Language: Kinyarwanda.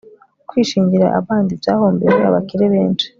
kwishingira abandi byahombeje abakire benshi